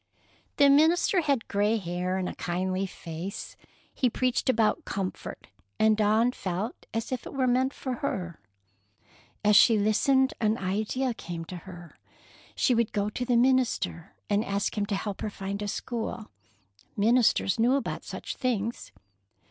The minister had gray hair and a kindly face. He preached about comfort, and Dawn felt as if it were meant for her. As she listened, an idea came to her. She would go to the minister and ask him to help her find a school. Ministers knew about such things.